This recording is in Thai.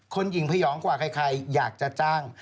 หญิงพยองกว่าใครอยากจะจ้าง